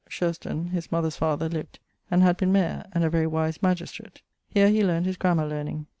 Sherston, his mother's father, lived, and had been mayer, and a very wise magistrate; here he learn't his grammar learning.